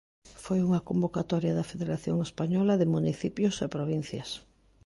Foi unha convocatoria da Federación Española de Municipios e Provincias.